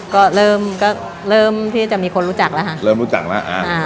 ก็เริ่มก็เริ่มที่จะมีคนรู้จักแล้วค่ะเริ่มรู้จักแล้วอ่าอ่า